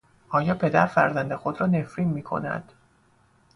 آیا پدر فرزند خودرا نفرین میکند